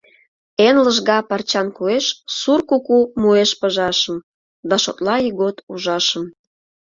Эн лыжга парчан куэш Сур куку муэш пыжашым Да шотла ийгот ужашым.